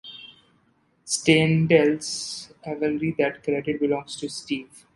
Stan tells Avery that the credit belongs to Steve.